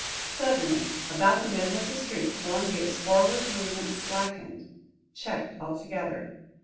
Suddenly, about the middle of the street, Columbia's forward movement slackened, checked altogether.